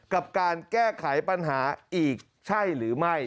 กับการแก้ไขปัญหาอีกใช่หรือไม่